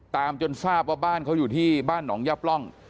จนทราบว่าบ้านเขาอยู่ที่บ้านหนองยับร่อง